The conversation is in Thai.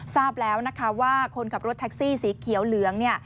ทราบแล้วนะคะว่าคนขับรถแท็กซี่สีเขียวเหลืองเนี่ย